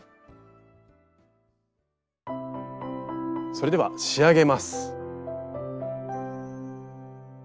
それでは仕上げます。